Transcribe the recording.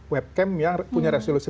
webcam yang punya resolusi